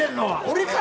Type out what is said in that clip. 俺か？